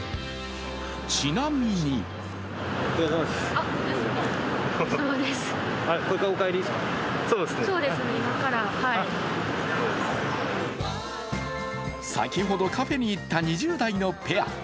ちなみに先ほどカフェに行った２０代のペア。